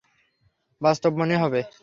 বাস্তব মনে হবে।